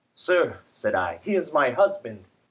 "Sir," said, I "he is my husband."